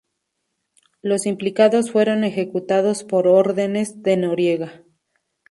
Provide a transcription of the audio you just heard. Los implicados fueron ejecutados por órdenes de Noriega.